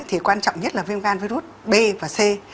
thì quan trọng nhất là viêm gan virus b và c